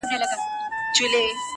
څه انګور او څه شراب څه میکدې سه,